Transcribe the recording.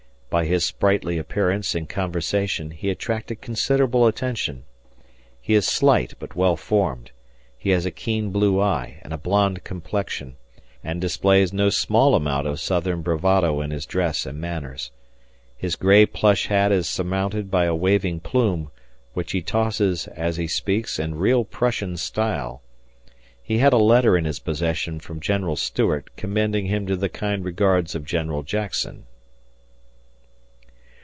By his sprightly appearance and conversation he attracted considerable attention. He is slight but well formed; has a keen blue eye and a blond complexion, and displays no small amount of Southern bravado in his dress and manners. His gray plush hat is surmounted by a waving plume, which he tosses, as he speaks, in real Prussian style. He had a letter in his possession from General Stuart commending him to the kind regards of General Jackson.